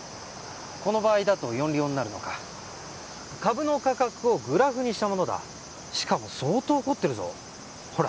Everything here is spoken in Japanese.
この場合だとヨンリオになるのか株の価格をグラフにしたものだしかも相当凝ってるぞほら